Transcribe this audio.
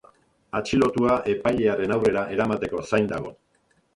Atxilotua epailearen aurrera eramateko zain dago.